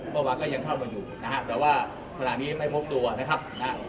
เมื่อวานก็ยังเข้ามาอยู่นะฮะแต่ว่าขณะนี้ยังไม่พบตัวนะครับนะฮะ